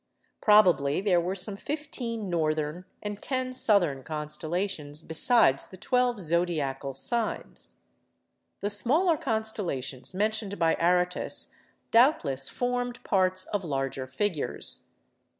Probably there were some fifteen northern and ten southern constellations, besides the twelve zodiacal signs. The smaller constellations mentioned by Aratus doubtless formed parts of larger figures.